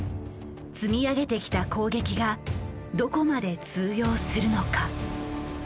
積み上げてきた攻撃がどこまで通用するのか。